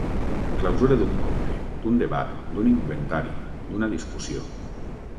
Clausura d'un compte, d'un debat, d'un inventari, d'una discussió.